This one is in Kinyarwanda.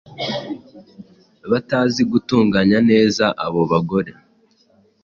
batazi gutunganya neza abo bagore.